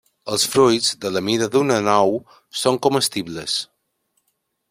Els fruits, de la mida d'una nou, són comestibles.